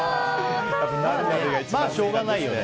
まあ、しょうがないよね。